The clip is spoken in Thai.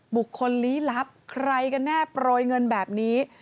บุคคลลี้ลับใครกันแน่โปรยเงินแบบนี้